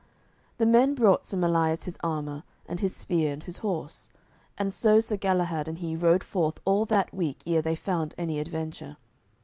Then men brought Sir Melias his armour and his spear and his horse; and so Sir Galahad and he rode forth all that week ere they found any adventure.